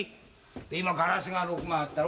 今ガラスが６枚あったろ。